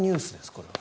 これは。